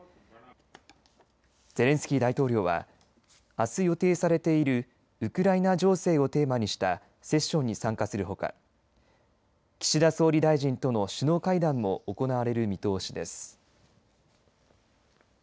ゼレンスキー大統領はあす予定されているウクライナ情勢をテーマにしたセッションに参加するほか岸田総理大臣との首脳会談も行われる見通しです。